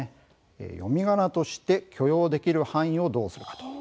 読みがなとして許容できる範囲をどうするか。